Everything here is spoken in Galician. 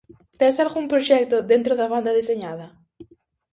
Tes algún proxecto dentro da banda deseñada?